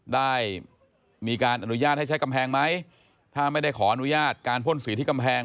ได้มีการอนุญาตให้ใช้กำแพงไหมถ้าไม่ได้ขออนุญาตการพ่นสีที่กำแพง